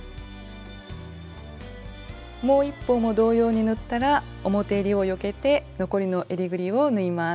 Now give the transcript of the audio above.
もう一方も同様に縫ったら表えりをよけて残りのえりぐりを縫います。